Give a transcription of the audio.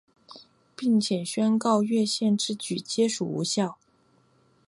并且宣告越线之举皆属无效。